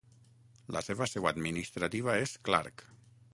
La seva seu administrativa és Clark.